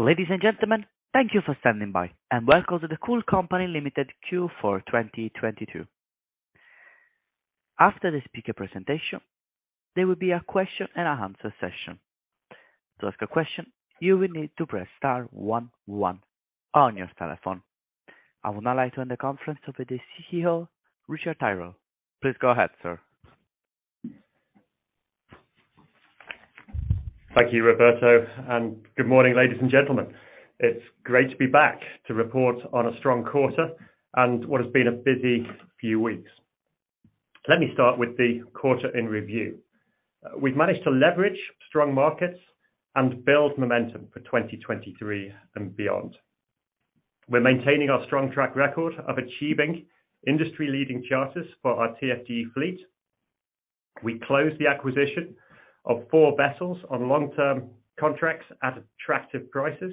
Ladies and gentlemen, thank you for standing by, and welcome to the Cool Company Ltd Q4 2022. After the speaker presentation, there will be a question and a answer session. To ask a question, you will need to press star one one on your telephone. I would now like to hand the conference over to CEO, Richard Tyrrell. Please go ahead, sir. Thank you, Roberto. Good morning, ladies and gentlemen. It's great to be back to report on a strong quarter and what has been a busy few weeks. Let me start with the quarter in review. We've managed to leverage strong markets and build momentum for 2023 and beyond. We're maintaining our strong track record of achieving industry-leading charters for our TFDE fleet. We closed the acquisition of four vessels on long-term contracts at attractive prices.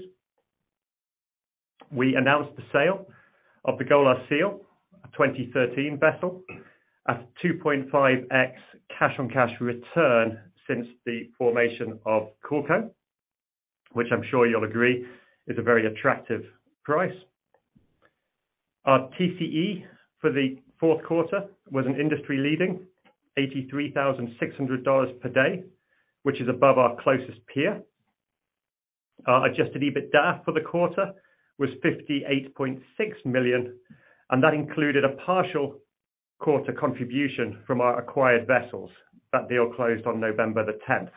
We announced the sale of the Golar Seal, a 2013 vessel, at 2.5x cash-on-cash return since the formation of CoolCo, which I'm sure you'll agree is a very attractive price. Our TCE for the fourth quarter was an industry leading $83,600 per day, which is above our closest peer. Our adjusted EBITDA for the quarter was $58.6 million, that included a partial quarter contribution from our acquired vessels. That deal closed on November 10th.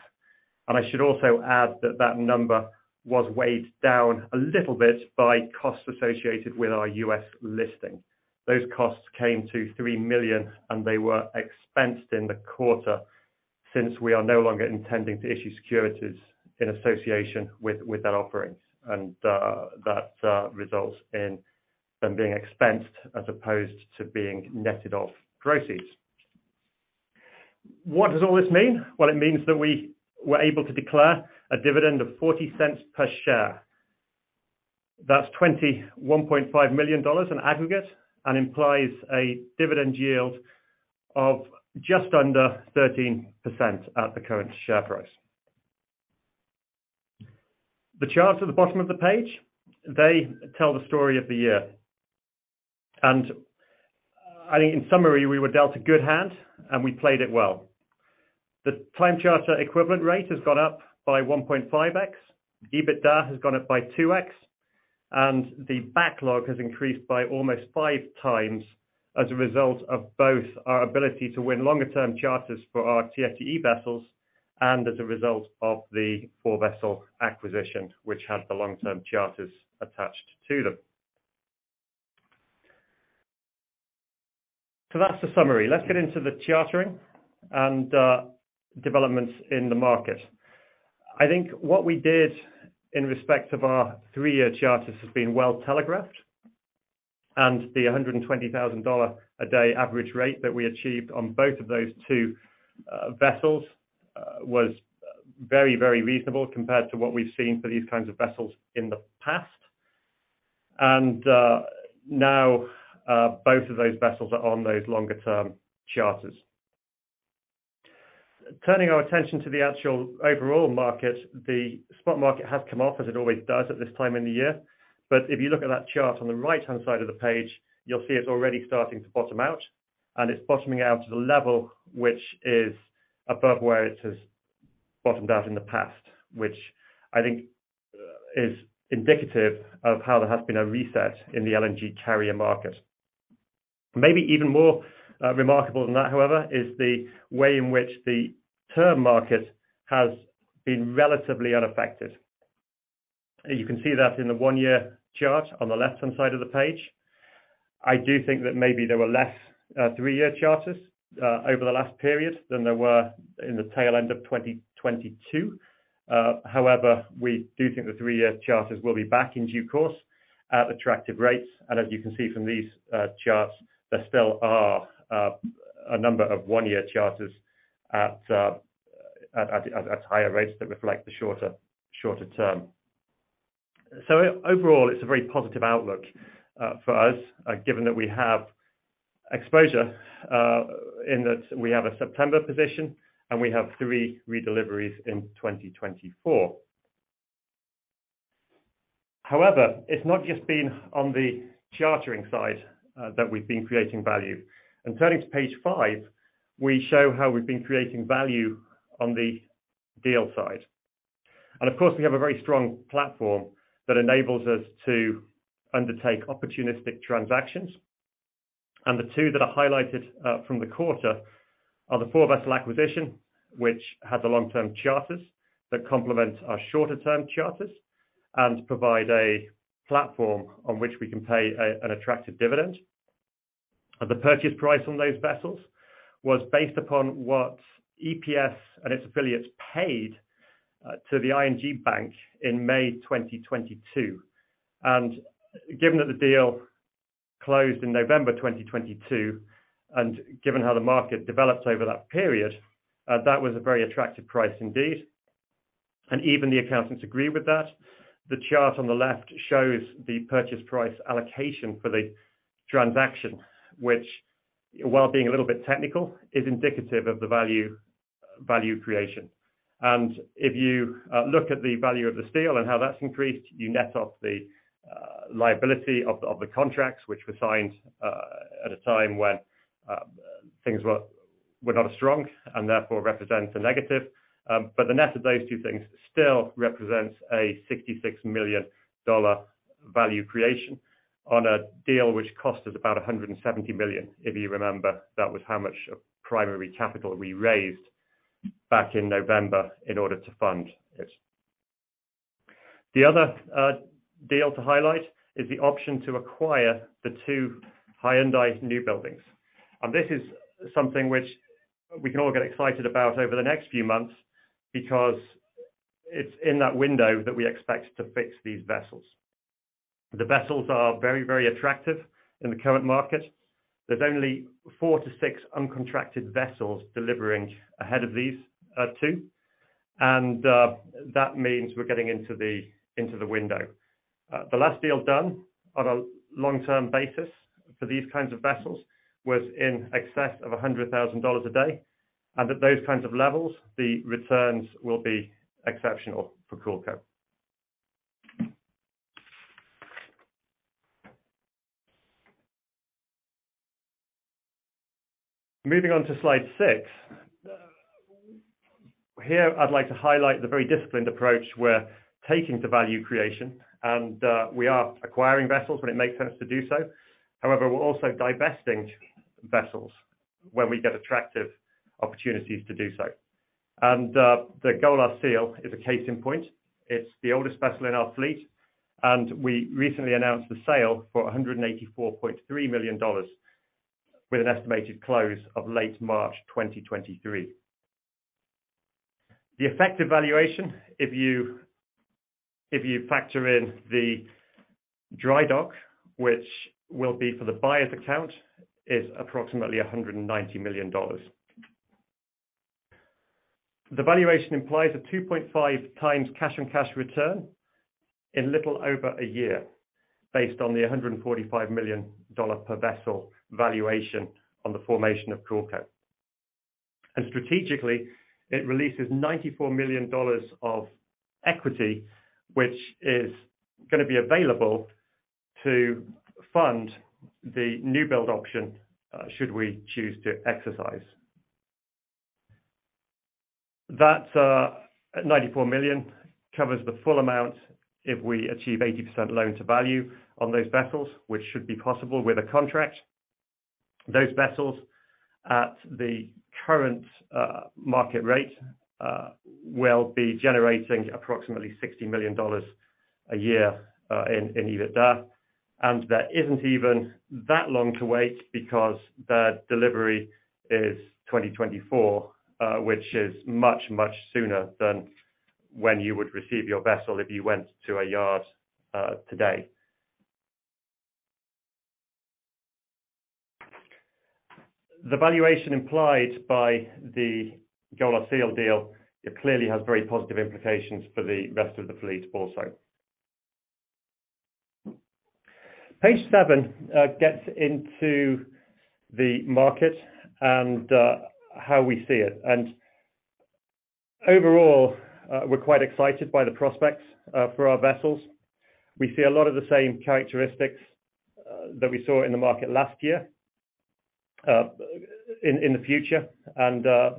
I should also add that that number was weighed down a little bit by costs associated with our U.S. listing. Those costs came to $3 million, and they were expensed in the quarter since we are no longer intending to issue securities in association with that offering. That results in them being expensed as opposed to being netted off proceeds. What does all this mean? Well, it means that we were able to declare a dividend of $0.40 per share. That's $21.5 million in aggregate and implies a dividend yield of just under 13% at the current share price. The charts at the bottom of the page, they tell the story of the year. I think in summary, we were dealt a good hand, and we played it well. The time charter equivalent rate has gone up by 1.5x. EBITDA has gone up by 2x, and the backlog has increased by almost 5x as a result of both our ability to win longer term charters for our TFDE vessels and as a result of the four vessel acquisition, which had the long-term charters attached to them. That's the summary. Let's get into the chartering and developments in the market. I think what we did in respect of our three-year charters has been well telegraphed. The $120,000 a day average rate that we achieved on both of those two vessels was very, very reasonable compared to what we've seen for these kinds of vessels in the past. Now, both of those vessels are on those longer term charters. Turning our attention to the actual overall market, the spot market has come off, as it always does at this time in the year. If you look at that chart on the right-hand side of the page, you'll see it's already starting to bottom out, and it's bottoming out to the level which is above where it has bottomed out in the past, which I think is indicative of how there has been a reset in the LNG carrier market. Maybe even more remarkable than that, however, is the way in which the term market has been relatively unaffected. You can see that in the one-year chart on the left-hand side of the page. I do think that maybe there were less three-year charters over the last period than there were in the tail end of 2022. However, we do think the three-year charters will be back in due course at attractive rates. As you can see from these charts, there still are a number of one-year charters at higher rates that reflect the shorter term. Overall, it's a very positive outlook for us, given that we have exposure in that we have a September position, and we have three redeliveries in 2024. It's not just been on the chartering side that we've been creating value. Turning to page 5, we show how we've been creating value on the deal side. Of course, we have a very strong platform that enables us to undertake opportunistic transactions. The two that are highlighted from the quarter are the four vessel acquisition, which had the long-term charters that complement our shorter term charters and provide a platform on which we can pay an attractive dividend. The purchase price on those vessels was based upon what EPS and its affiliates paid to the ING Bank in May 2022. Given that the deal closed in November 2022, and given how the market developed over that period, that was a very attractive price indeed. Even the accountants agree with that. The chart on the left shows the purchase price allocation for the transaction, which, while being a little bit technical, is indicative of the value creation. If you look at the value of the steel and how that's increased, you net off the liability of the contracts, which were signed at a time when things were not as strong and therefore represents a negative. The net of those two things still represents a $66 million value creation on a deal which cost us about $170 million. If you remember, that was how much primary capital we raised back in November in order to fund it. The other deal to highlight is the option to acquire the two Hyundai newbuildings. This is something which we can all get excited about over the next few months because it's in that window that we expect to fix these vessels. The vessels are very, very attractive in the current market. There's only four to six uncontracted vessels delivering ahead of these two. That means we're getting into the, into the window. The last deal done on a long-term basis for these kinds of vessels was in excess of $100,000 a day. At those kinds of levels, the returns will be exceptional for CoolCo. Moving on to slide 6. Here, I'd like to highlight the very disciplined approach we're taking to value creation, and we are acquiring vessels when it makes sense to do so. However, we're also divesting vessels when we get attractive opportunities to do so. The Golar Seal is a case in point. It's the oldest vessel in our fleet, and we recently announced the sale for $184.3 million with an estimated close of late March 2023. The effective valuation, if you factor in the dry dock, which will be for the buyer's account, is approximately $190 million. The valuation implies a 2.5x cash-on-cash return in little over a year based on the $145 million per vessel valuation on the formation of CoolCo. Strategically, it releases $94 million of equity, which is gonna be available to fund the newbuild option, should we choose to exercise. That, $94 million covers the full amount if we achieve 80% loan-to-value on those vessels, which should be possible with a contract. Those vessels at the current market rate will be generating approximately $60 million a year in EBITDA. There isn't even that long to wait because the delivery is 2024, which is much, much sooner than when you would receive your vessel if you went to a yard today. The valuation implied by the Golar Seal deal, it clearly has very positive implications for the rest of the fleet also. Page 7 gets into the market and how we see it. Overall, we're quite excited by the prospects for our vessels. We see a lot of the same characteristics that we saw in the market last year in the future.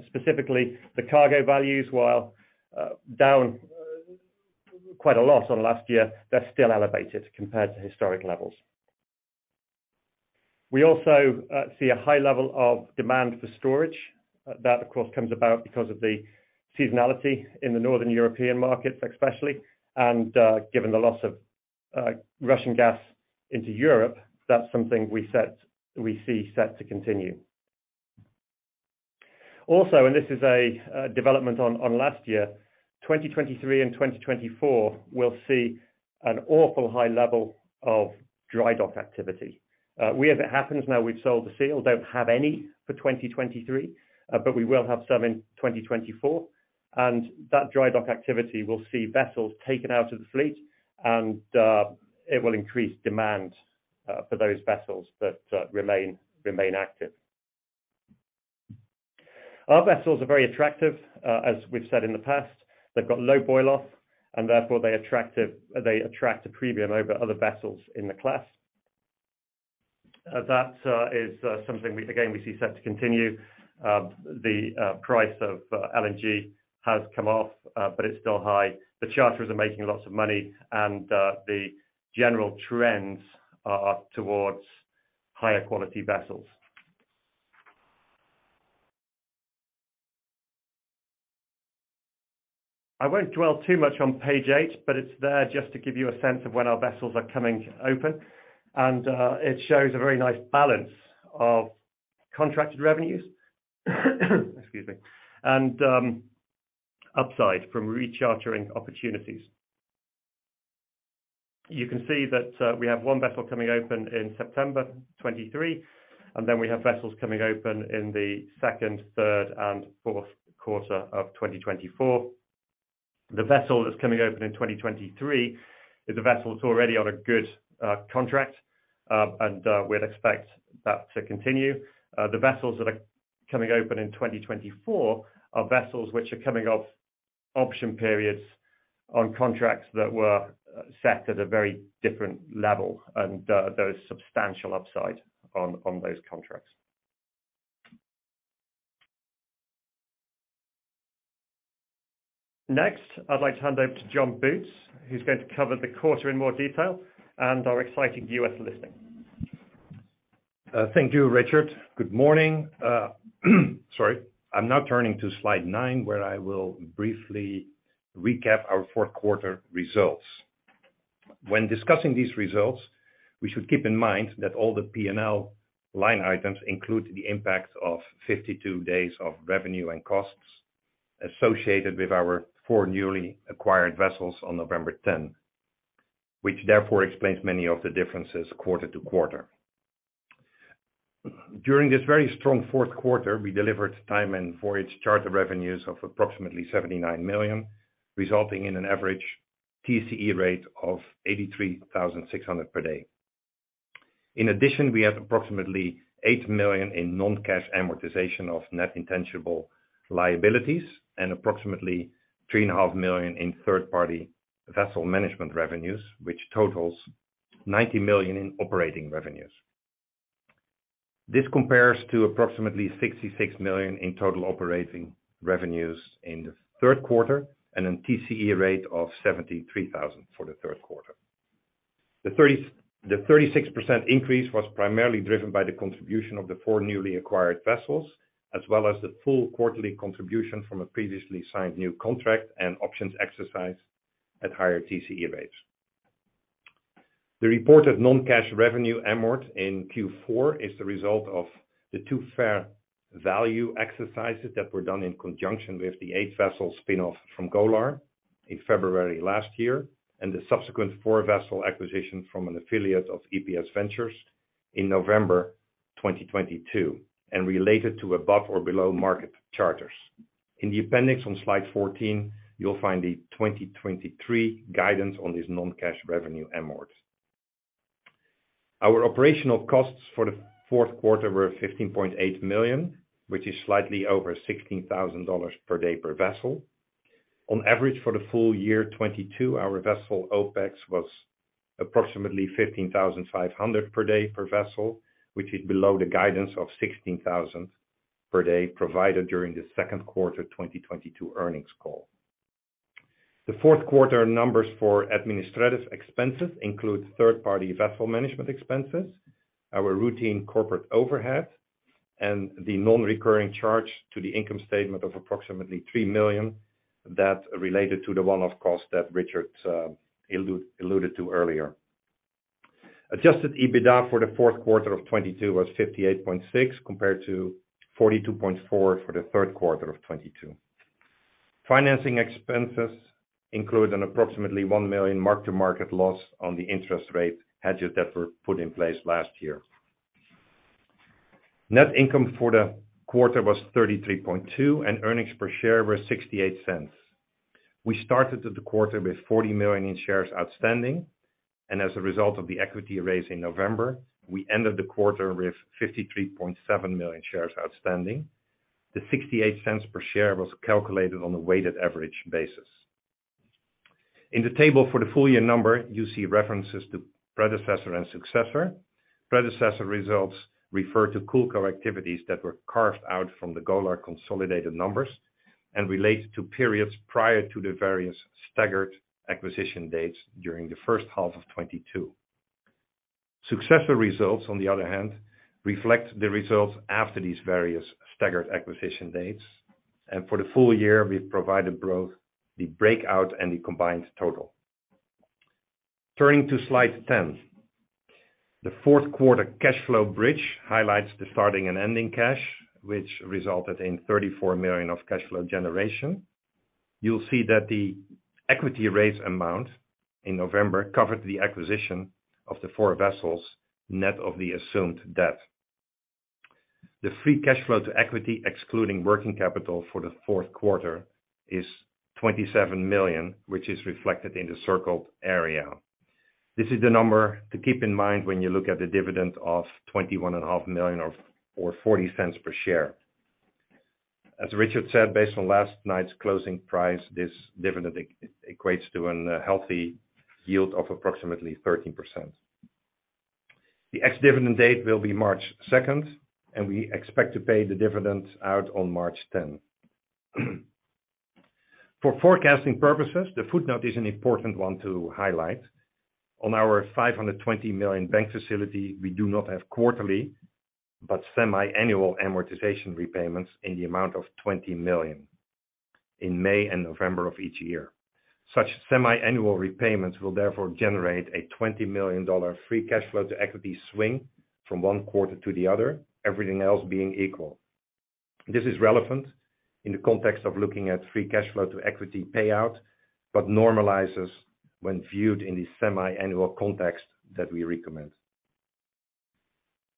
Specifically, the cargo values, while down quite a lot on last year, they're still elevated compared to historic levels. We also see a high level of demand for storage. That of course comes about because of the seasonality in the Northern European markets, especially. Given the loss of Russian gas into Europe, that's something we see set to continue. Also, this is a development on last year, 2023 and 2024 will see an awful high level of dry dock activity. We, as it happens, now we've sold the Seal, don't have any for 2023, but we will have some in 2024. That dry dock activity will see vessels taken out of the fleet and it will increase demand for those vessels that remain active. Our vessels are very attractive, as we've said in the past. They've got low boil-off and therefore they attract a premium over other vessels in the class. That is something we, again, we see set to continue. The price of LNG has come off, but it's still high. The charterers are making lots of money and the general trends are towards higher quality vessels. I won't dwell too much on page 8, but it's there just to give you a sense of when our vessels are coming open. It shows a very nice balance of contracted revenues, excuse me, and upside from rechartering opportunities. You can see that we have one vessel coming open in September 2023, and then we have vessels coming open in the second, third, and fourth quarter of 2024. The vessel that's coming open in 2023 is a vessel that's already on a good contract, and we'd expect that to continue. The vessels that are coming open in 2024 are vessels which are coming off option periods on contracts that were set at a very different level, and there is substantial upside on those contracts. Next, I'd like to hand over to John Boots, who's going to cover the quarter in more detail and our exciting U.S. listing. Thank you, Richard. Good morning. Sorry. I'm now turning to slide 9, where I will briefly recap our fourth quarter results. When discussing these results, we should keep in mind that all the P&L line items include the impact of 52 days of revenue and costs associated with our four newly acquired vessels on November 10, which therefore explains many of the differences quarter-to-quarter. During this very strong fourth quarter, we delivered time and voyage charter revenues of approximately $79 million, resulting in an average TCE rate of $83,600 per day. In addition, we had approximately $8 million in non-cash amortization of net intangible liabilities and approximately three and a half million in third-party vessel management revenues, which totals $90 million in operating revenues. This compares to approximately $66 million in total operating revenues in the third quarter and a TCE rate of $73,000 for the third quarter. The 36% increase was primarily driven by the contribution of the four newly acquired vessels, as well as the full quarterly contribution from a previously signed new contract and options exercise at higher TCE rates. The reported non-cash revenue amort in Q4 is the result of the two fair value exercises that were done in conjunction with the eight-vessel spinoff from Golar in February last year and the subsequent four-vessel acquisition from an affiliate of EPS Ventures in November 2022 and related to above or below market charters. In the appendix on slide 14, you'll find the 2023 guidance on these non-cash revenue amort. Our operational costs for the fourth quarter were $15.8 million, which is slightly over $16,000 per day per vessel. On average, for the full year 2022, our vessel OpEx was approximately $15,500 per day per vessel, which is below the guidance of $16,000 per day provided during the second quarter 2022 earnings call. The fourth quarter numbers for administrative expenses include third-party vessel management expenses, our routine corporate overhead, and the non-recurring charge to the income statement of approximately $3 million that related to the one-off cost that Richard alluded to earlier. Adjusted EBITDA for the fourth quarter of 2022 was $58.6, compared to $42.4 for the third quarter of 2022. Financing expenses include an approximately $1 million mark-to-market loss on the interest rate hedges that were put in place last year. Net income for the quarter was $33.2, and earnings per share were $0.68. We started the quarter with 40 million shares outstanding, and as a result of the equity raise in November, we ended the quarter with 53.7 million shares outstanding. The $0.68 per share was calculated on a weighted average basis. In the table for the full year number, you see references to predecessor and successor. Predecessor results refer to CoolCo activities that were carved out from the Golar consolidated numbers and relate to periods prior to the various staggered acquisition dates during the first half of 2022. Successor results, on the other hand, reflect the results after these various staggered acquisition dates. For the full year, we've provided both the breakout and the combined total. Turning to slide 10. The fourth quarter cash flow bridge highlights the starting and ending cash, which resulted in $34 million of cash flow generation. You'll see that the equity raise amount in November covered the acquisition of the four vessels net of the assumed debt. The free cash flow to equity, excluding working capital for the fourth quarter, is $27 million, which is reflected in the circled area. This is the number to keep in mind when you look at the dividend of $21.5 million or $0.40 per share. As Richard said, based on last night's closing price, this dividend equates to an healthy yield of approximately 13%. The ex-dividend date will be March second, and we expect to pay the dividend out on March 10th. For forecasting purposes, the footnote is an important one to highlight. On our $520 million bank facility, we do not have quarterly, but semiannual amortization repayments in the amount of $20 million in May and November of each year. Such semiannual repayments will therefore generate a $20 million free cash flow to equity swing from one quarter to the other, everything else being equal. This is relevant in the context of looking at free cash flow to equity payout, but normalizes when viewed in the semiannual context that we recommend.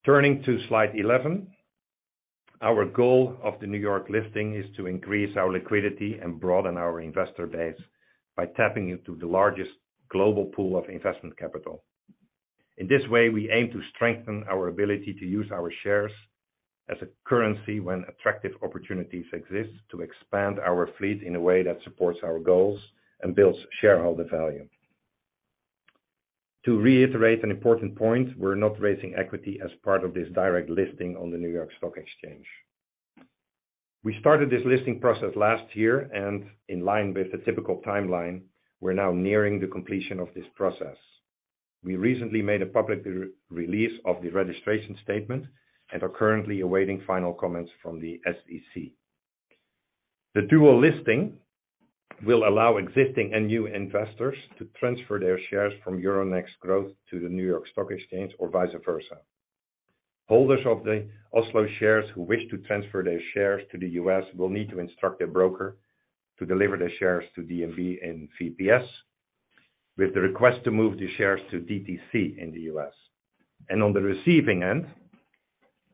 Turning to slide 11. Our goal of the New York listing is to increase our liquidity and broaden our investor base by tapping into the largest global pool of investment capital. In this way, we aim to strengthen our ability to use our shares as a currency when attractive opportunities exist, to expand our fleet in a way that supports our goals and builds shareholder value. To reiterate an important point, we're not raising equity as part of this direct listing on the New York Stock Exchange. We started this listing process last year and in line with the typical timeline, we're now nearing the completion of this process. We recently made a public re-release of the registration statement and are currently awaiting final comments from the SEC. The dual listing will allow existing and new investors to transfer their shares from Euronext Growth to the New York Stock Exchange or vice versa. Holders of the Oslo shares who wish to transfer their shares to the U.S. will need to instruct their broker to deliver their shares to DNB in CPS, with the request to move the shares to DTC in the U.S.. On the receiving end,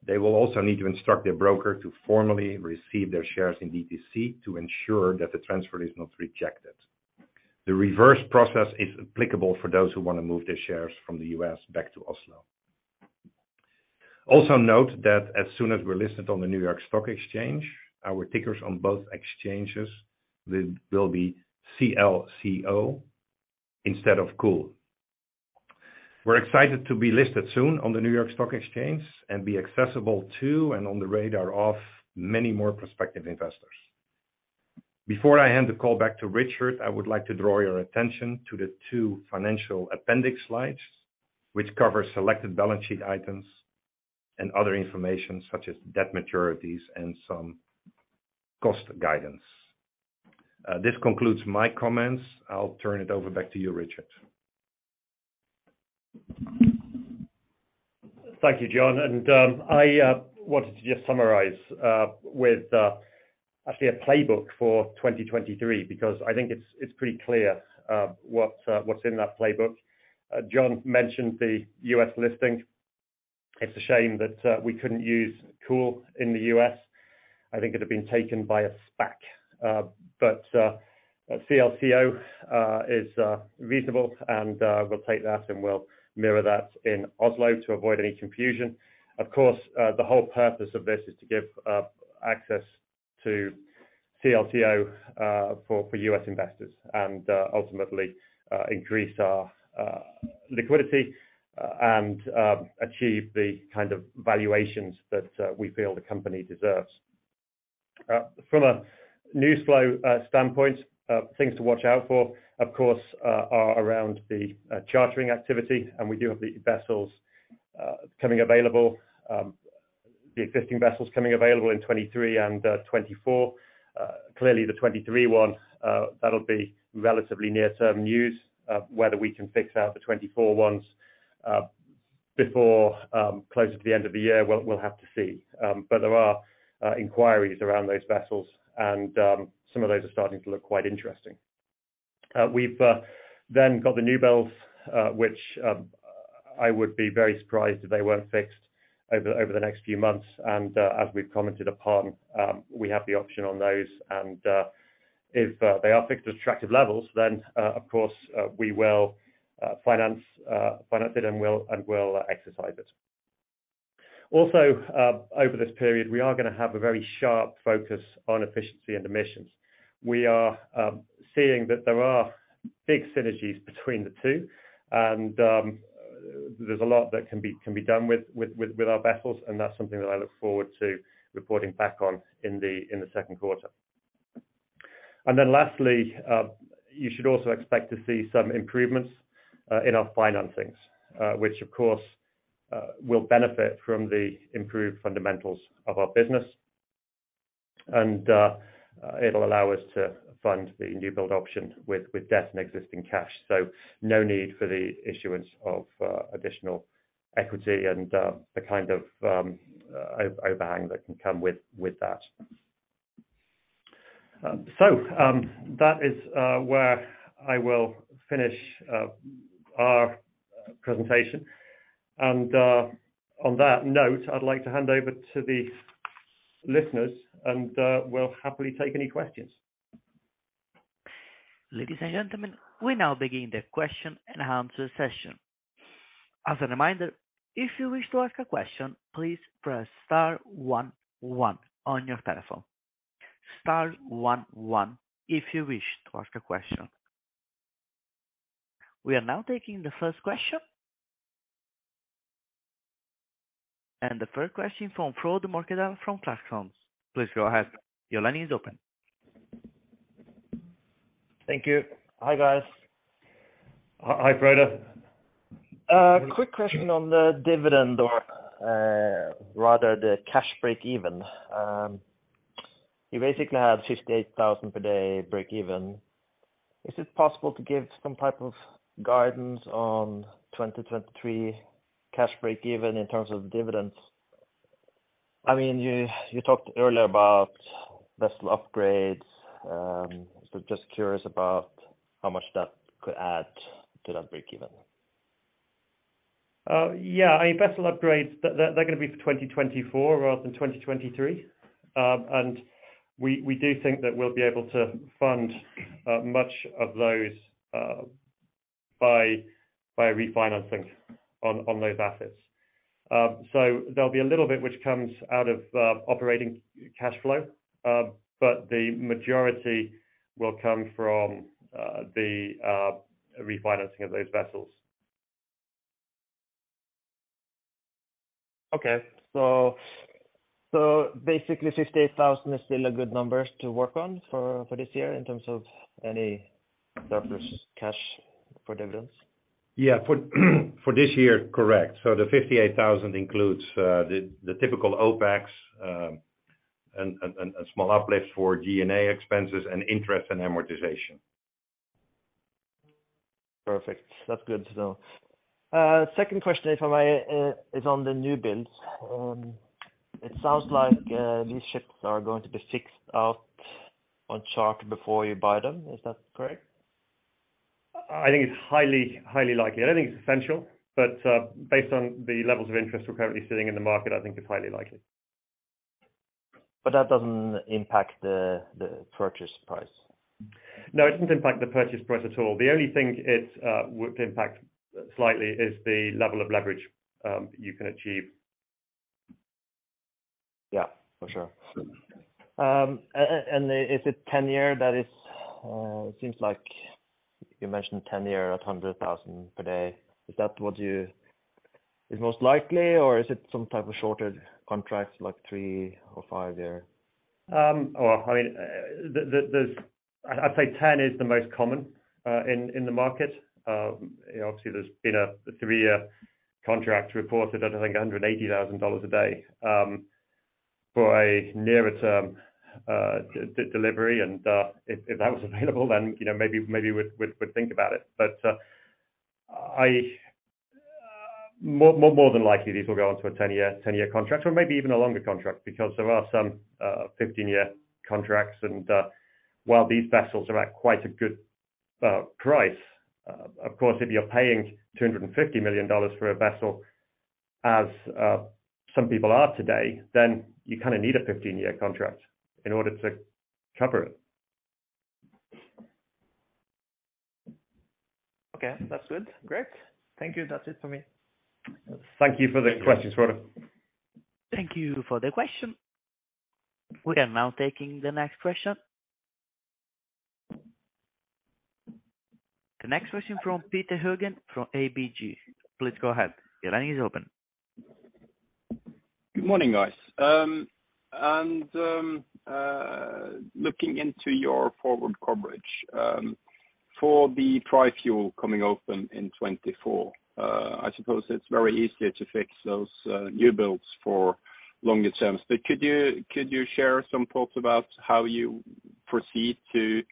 they will also need to instruct their broker to formally receive their shares in DTC to ensure that the transfer is not rejected. The reverse process is applicable for those who wanna move their shares from the U.S. back to Oslo. Note that as soon as we're listed on the New York Stock Exchange, our tickers on both exchanges will be CLCO instead of COOL. We're excited to be listed soon on the New York Stock Exchange and be accessible to and on the radar of many more prospective investors. Before I hand the call back to Richard, I would like to draw your attention to the two financial appendix slides, which cover selected balance sheet items and other information such as debt maturities and some cost guidance. This concludes my comments. I'll turn it over back to you, Richard. Thank you, John. I wanted to just summarize with actually a playbook for 2023, because I think it's pretty clear what's in that playbook. John mentioned the U.S. listing. It's a shame that we couldn't use COOL in the U.S. I think it had been taken by a SPAC. CLCO is reasonable and we'll take that, and we'll mirror that in Oslo to avoid any confusion. Of course, the whole purpose of this is to give access to CLCO for U.S. investors and ultimately increase our liquidity and achieve the kind of valuations that we feel the company deserves. From a news flow standpoint, things to watch out for, of course, are around the chartering activity. We do have the vessels coming available, the existing vessels coming available in 2023 and 2024. Clearly the 2023 one, that'll be relatively near-term news. Whether we can fix out the 2024 ones before closer to the end of the year, we'll have to see. There are inquiries around those vessels and some of those are starting to look quite interesting. We've then got the newbuilds which I would be very surprised if they weren't fixed over the next few months. As we've commented upon, we have the option on those and if they are fixed at attractive levels, then of course, we will finance it and will exercise it. Also, over this period, we are gonna have a very sharp focus on efficiency and emissions. We are seeing that there are big synergies between the two, there's a lot that can be done with our vessels, and that's something that I look forward to reporting back on in the second quarter. Lastly, you should also expect to see some improvements in our financings, which of course, will benefit from the improved fundamentals of our business. It'll allow us to fund the newbuild option with debt and existing cash. No need for the issuance of additional equity and the kind of overhang that can come with that. That is where I will finish our presentation. On that note, I'd like to hand over to the listeners and, we'll happily take any questions. Ladies and gentlemen, we now begin the question and answer session. As a reminder, if you wish to ask a question, please press star one one on your telephone. Star one one if you wish to ask a question. We are now taking the first question. The first question from Frode Mørkedal from Clarksons Securities. Please go ahead. Your line is open. Thank you. Hi, guys. Hi, Frode. Quick question on the dividend or, rather the cash breakeven. You basically have $58,000 per day breakeven. Is it possible to give some type of guidance on 2023 cash breakeven in terms of dividend? I mean, you talked earlier about vessel upgrades. Just curious about how much that could add to that breakeven. Yeah, I mean, vessel upgrades, they're gonna be for 2024 rather than 2023. We do think that we'll be able to fund much of those by refinancing on those assets. There'll be a little bit which comes out of operating cash flow, but the majority will come from the refinancing of those vessels. Okay. basically 58,000 is still a good number to work on for this year in terms of any surplus cash for dividends? Yeah. For this year, correct. The $58,000 includes the typical OpEx and small uplift for G&A expenses and interest and amortization. Perfect. That's good to know. Second question if I may, is on the new builds. It sounds like these ships are going to be fixed out on charter before you buy them. Is that correct? I think it's highly likely. I don't think it's essential. Based on the levels of interest we're currently seeing in the market, I think it's highly likely. That doesn't impact the purchase price? No, it doesn't impact the purchase price at all. The only thing it would impact slightly is the level of leverage you can achieve. Yeah, for sure. Is it 10-year that is, seems like you mentioned 10-year at $100,000 per day? Is that what you is most likely, or is it some type of shorter contracts like three or five years? Well, I mean, I'd say 10 is the most common in the market. Obviously there's been a three-year contract reported at, I think, $180,000 a day for a nearer term delivery. If that was available, then, you know, we'd think about it. More than likely, these will go onto a 10-year contract or maybe even a longer contract because there are some 15-year contracts. While these vessels are at quite a good price, of course, if you're paying $250 million for a vessel, as some people are today, then you kind of need a 15-year contract in order to cover it. Okay. That's good. Great. Thank you. That's it for me. Thank you for the questions, Frode. Thank you for the question. We are now taking the next question. The next question from Petter Haugen from ABG. Please go ahead. Your line is open. Good morning, guys. Looking into your forward coverage for the tri-fuel coming open in 2024, I suppose it's very easier to fix those new builds for longer terms. Could you share some thoughts about how you proceed to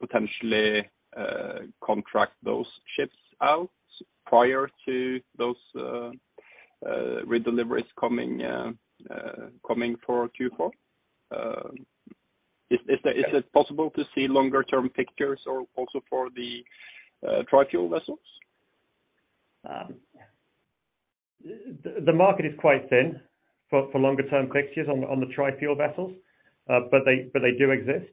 potentially contract those ships out prior to those redeliveries coming for Q4? Is it possible to see longer term pictures or also for the tri-fuel vessels? The market is quite thin for longer term pictures on the tri-fuel vessels, but they do exist.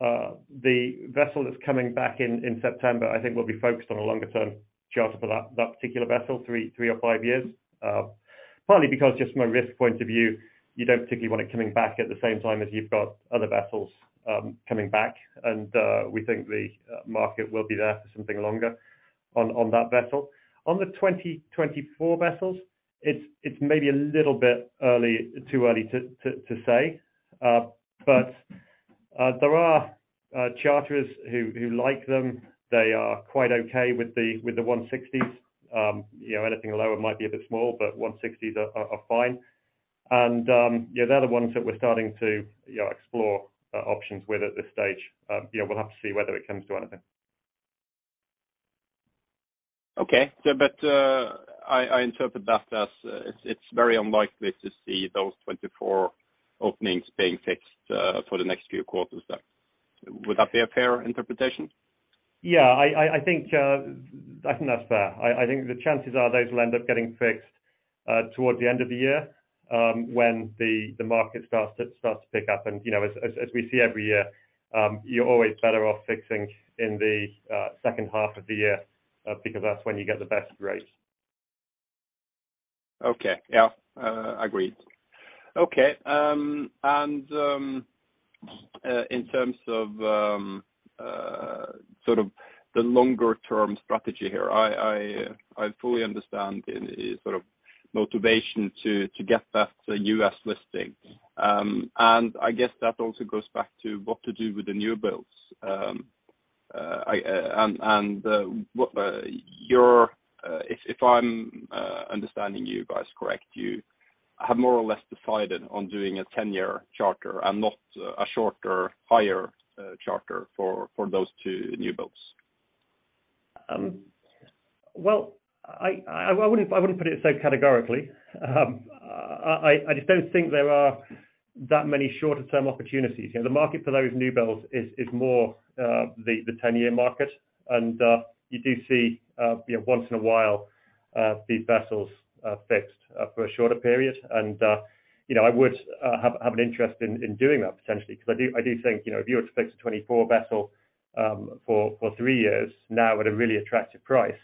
The vessel that's coming back in September, I think will be focused on a longer term charter for that particular vessel, three or five years. Partly because just from a risk point of view, you don't particularly want it coming back at the same time as you've got other vessels coming back, and we think the market will be there for something longer on that vessel. On the 2024 vessels, it's maybe a little bit early, too early to say. There are charterers who like them. They are quite okay with the 160,000 cbm. You know, anything lower might be a bit small, but 160,000 cbm are fine. Yeah, they're the ones that we're starting to, you know, explore options with at this stage. Yeah, we'll have to see whether it comes to anything. Okay. I interpret that as it's very unlikely to see those 24 openings being fixed for the next few quarters. Would that be a fair interpretation? Yeah. I think, I think that's fair. I think the chances are those will end up getting fixed towards the end of the year, when the market starts to pick up. You know, as we see every year, you're always better off fixing in the second half of the year, because that's when you get the best rates. Okay. Yeah. Agreed. Okay. In terms of sort of the longer term strategy here, I fully understand the sort of motivation to get that U.S. listing. I guess that also goes back to what to do with the new builds. What if I'm understanding you guys correct, you have more or less decided on doing a 10-year charter and not a shorter, higher charter for those two new builds? Well, I wouldn't, I wouldn't put it so categorically. I just don't think there are that many shorter term opportunities. You know, the market for those newbuilds is more, the 10-year market. You do see, you know, once in a while, these vessels, fixed, for a shorter period. You know, I would have an interest in doing that potentially, because I do, I do think, you know, if you were to fix a 2024 vessel, for three years now at a really attractive price,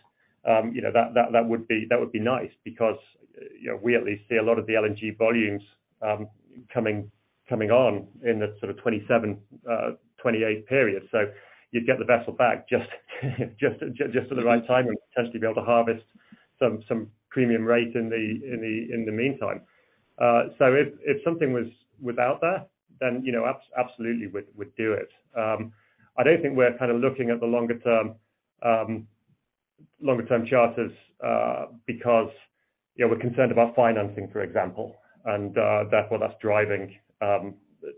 you know, that would be, that would be nice because, you know, we at least see a lot of the LNG volumes, coming on in the sort of 2027, 2028 period. You'd get the vessel back just at the right time and potentially be able to harvest some premium rate in the meantime. If something was without that, then, you know, absolutely we'd do it. I don't think we're kind of looking at the longer term, longer term charters, because, you know, we're concerned about financing, for example. Therefore that's driving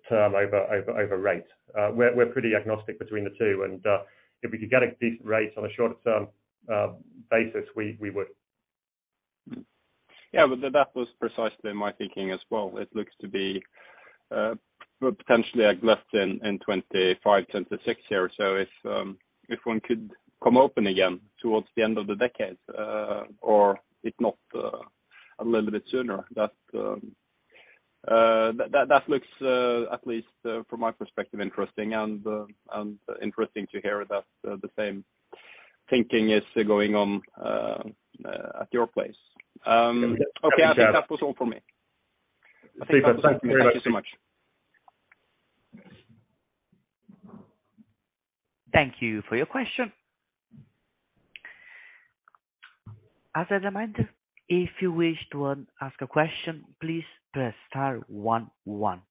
term over rate. We're pretty agnostic between the two. If we could get a decent rate on a shorter term basis, we would. That was precisely my thinking as well. It looks to be, potentially, like, less than in 2025, 2026 here. If one could come open again towards the end of the decade, or if not, a little bit sooner, that looks, at least from my perspective, interesting and interesting to hear that the same thinking is going on at your place. I think that was all for me. Petter, thank you very much. Thank you so much. Thank you for your question. As a reminder, if you wish to ask a question, please press star one one.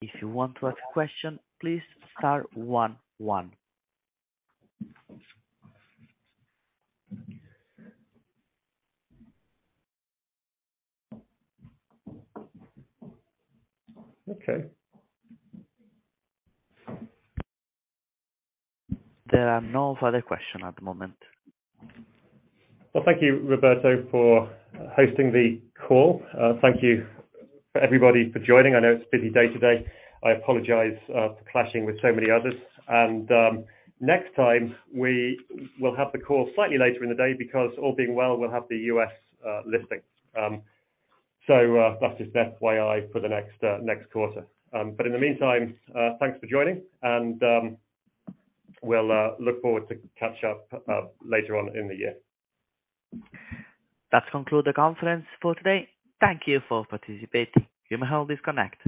If you want to ask a question, please star one one. Okay. There are no further question at the moment. Well, thank you, Roberto, for hosting the call. Thank you for everybody for joining. I know it's a busy day today. I apologize for clashing with so many others. Next time we will have the call slightly later in the day, because all being well, we'll have the U.S. listing. That's just FYI for the next next quarter. In the meantime, thanks for joining and we'll look forward to catch up later on in the year. That conclude the conference for today. Thank you for participating. You may all disconnect.